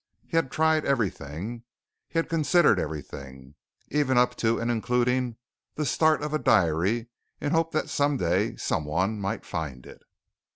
He had tried everything. He had considered everything, even up to and including the start of a diary in the hope that someday someone might find it.